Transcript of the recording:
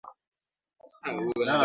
na kuvutia wawekezaji kwenye sekta hiyo